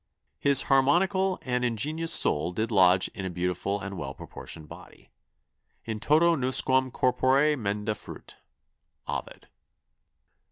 His harmonicall and ingeniose soul did lodge in a beautiful and well proportioned body: 'In toto nusquam corpore menda fuit.' Ovid."